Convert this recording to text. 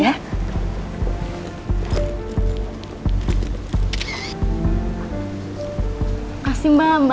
terima kasih mbak mbak elsa ramah sekali